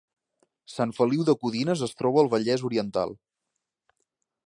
Sant Feliu de Codines es troba al Vallès Oriental